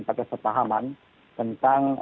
pakai setahaman tentang